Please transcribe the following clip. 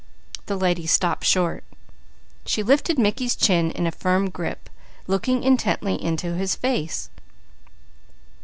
The lady stopped short; she lifted Mickey's chin in a firm grip, looking intently into his face.